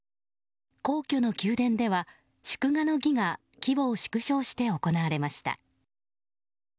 皇居の宮殿では、祝賀の儀が規模を縮小して行われました。